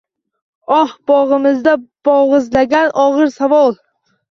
Oh, boʼgʼzimdan boʼgʼizlagan ogʼir savol